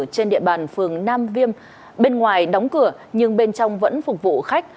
trên địa bàn phường nam viêm ngoài đóng cửa nhưng bên trong vẫn phục vụ khách